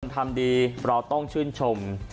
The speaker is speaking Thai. ทำดีเราต้องชื่นชม